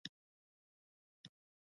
مېلمه ته ناوخته خواړه مه ورکوه.